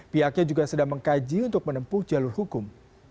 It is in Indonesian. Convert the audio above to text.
pihaknya juga sedang mengkaji untuk menempuh jalur hukum